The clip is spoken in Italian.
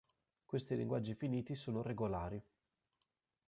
Questi linguaggi finiti sono regolari.